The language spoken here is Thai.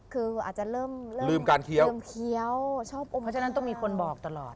คืออาจจะเริ่มเคี้ยวเพราะฉะนั้นต้องมีคนบอกตลอด